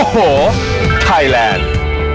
โอ้โหไทยแลนด์